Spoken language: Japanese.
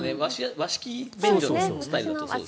和式便所のスタイルだとこうですよね。